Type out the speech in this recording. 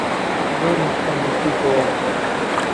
زۆر نوسخەم نووسیبۆوە